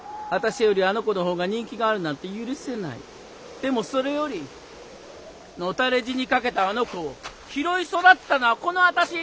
でもそれより野たれ死にかけたあの子を拾い育てたのはこのあたし。